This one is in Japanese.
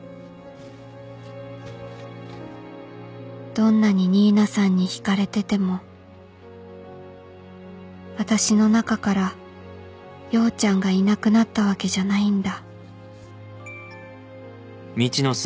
どんなに新名さんに引かれてても私の中から陽ちゃんがいなくなったわけじゃないんだ